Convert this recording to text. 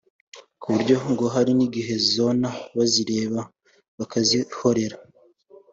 ku buryo ngo hari n’igihe zona bazireba bakazihorera